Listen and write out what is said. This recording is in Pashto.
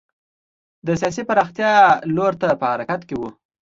د سیاسي پراختیا لور ته په حرکت کې و.